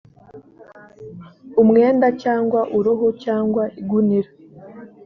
umwenda cyangwa uruhu, cyangwa igunira